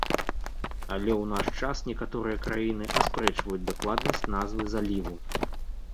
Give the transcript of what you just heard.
Але ў наш час некаторыя краіны аспрэчваюць дакладнасць назвы заліву.